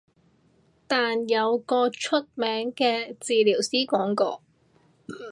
但有個出名嘅治療師講過